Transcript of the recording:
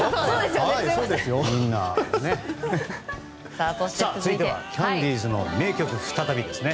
さあ、続いてはキャンディーズの名曲再びですね。